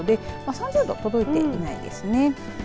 ３０度、届いていないですね。